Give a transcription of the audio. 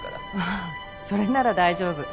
ああそれなら大丈夫。